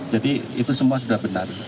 jadi itu semua sudah benar